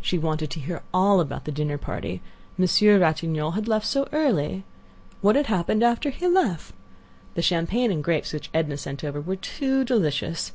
She wanted to hear all about the dinner party; Monsieur Ratignolle had left so early. What had happened after he left? The champagne and grapes which Edna sent over were too delicious.